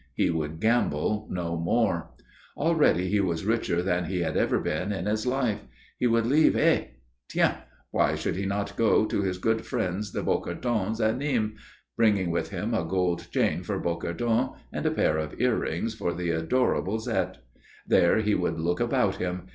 He would gamble no more. Already he was richer than he had ever been in his life. He would leave Aix. Tiens! why should he not go to his good friends the Bocardons at Nîmes, bringing with him a gold chain for Bocardon and a pair of ear rings for the adorable Zette? There he would look about him.